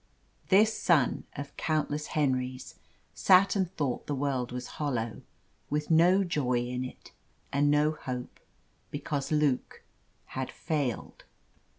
This son of countless Henrys sat and thought the world was hollow, with no joy in it, and no hope, because Luke had failed.